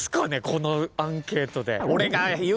このアンケートで。